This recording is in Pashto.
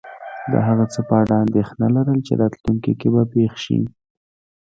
د هغه څه په اړه انېښنه لرل چی راتلونکي کې به پیښ شې